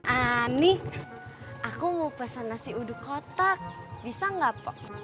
ani aku mau pesan nasi uduk kotak bisa gak pok